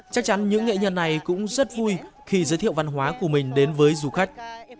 chắc chắn những nghệ nhân này cũng rất vui khi giới thiệu văn hóa của mình đến với du khách